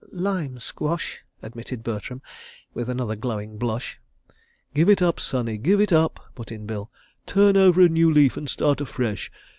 "Lime squash," admitted Bertram with another glowing blush. "Give it up, Sonny, give it up," put in Bill. "Turn over a new leaf and start afresh.